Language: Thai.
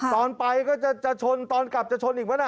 ตอนไปก็จะชนตอนกลับจะชนอีกไหมล่ะ